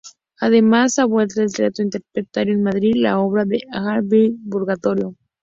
Además, ha vuelto al teatro, interpretando en Madrid la obra de Ariel Dorfman "Purgatorio".